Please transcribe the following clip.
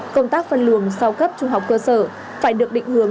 công tác phân luồng sau cấp trung học cơ sở phải được định hướng